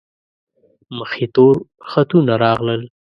مخ یې تور خطونه راغلل.